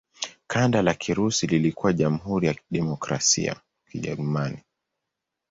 Kanda la Kirusi lilikuwa Jamhuri ya Kidemokrasia ya Kijerumani.